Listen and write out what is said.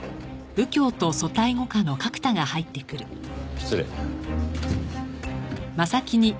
失礼。